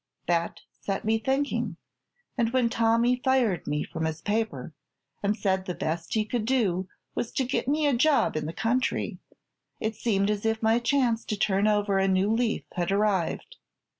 That set me thinking, and when Tommy fired me from his paper and said the best he could do was to get me a job in the country, it seemed as if my chance to turn over a new leaf had arrived.